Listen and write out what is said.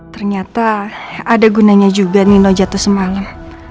ternyata ada gunanya juga nino jatuh semangat